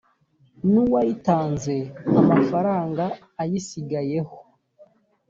n uwayitanze amafaranga ayisigayeho